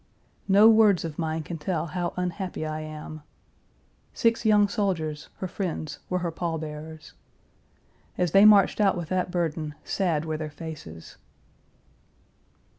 No words of mine can tell how unhappy I am. Six young soldiers, her friends, were her pall bearers. As they marched out with that burden sad were their faces.